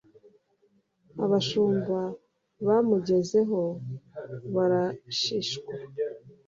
abashumba bamugezeho barashishwa!